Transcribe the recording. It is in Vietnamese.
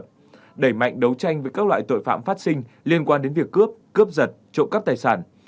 đẩy mạnh đấu tranh với các loại tội phạm phát sinh liên quan đến việc cướp cướp giật trộm cắp tài sản